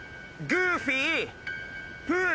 グーフィー。